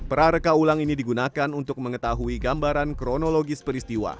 prareka ulang ini digunakan untuk mengetahui gambaran kronologis peristiwa